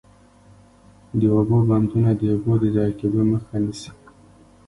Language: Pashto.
د اوبو بندونه د اوبو د ضایع کیدو مخه نیسي.